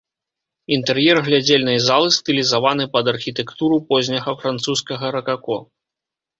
Інтэр'ер глядзельнай залы стылізаваны пад архітэктуру позняга французскага ракако.